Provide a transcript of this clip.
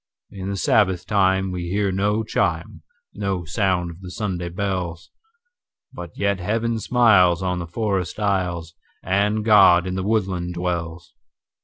In the Sabbath time we hear no chime, No sound of the Sunday bells; But yet Heaven smiles on the forest aisles, And God in the woodland dwells.